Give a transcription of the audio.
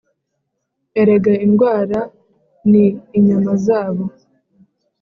erega indwara ni inyama zabo;